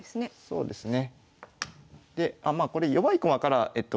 そうですね。